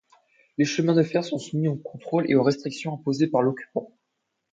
Les chemins de fer sont soumis aux contrôles et au restrictions imposées par l'occupant.